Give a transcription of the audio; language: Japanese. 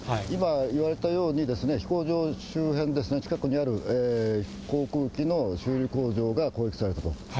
今言われたように、飛行場周辺ですね、近くにある航空機の修理工場が攻撃されたと。